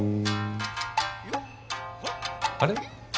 あれ？